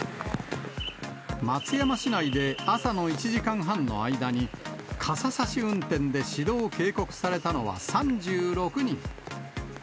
松山市内で朝の１時間半の間に、傘差し運転で指導・警告されたのは３６人。